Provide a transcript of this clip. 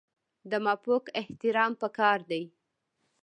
د مافوق احترام پکار دی